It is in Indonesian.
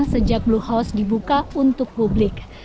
sejak blue house dibuka untuk publik